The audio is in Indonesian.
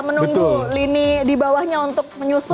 menunggu lini dibawahnya untuk menyusul